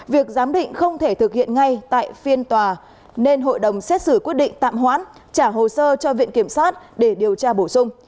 việc giám định không thể thực hiện ngay tại phiên tòa nên hội đồng xét xử quyết định tạm hoãn trả hồ sơ cho viện kiểm sát để điều tra bổ sung